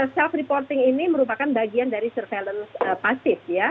self reporting ini merupakan bagian dari surveillance pasif ya